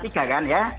tingkat tiga kan ya